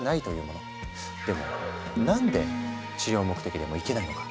でも何で治療目的でもいけないのか？